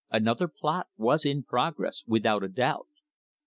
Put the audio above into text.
Another plot was in progress, without a doubt.